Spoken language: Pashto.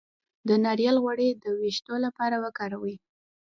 د ناریل غوړي د ویښتو لپاره وکاروئ